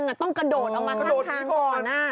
ต้องกระโดดเอามาข้างก่อน